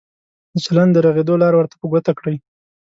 د چلند د رغېدو لار ورته په ګوته کړئ.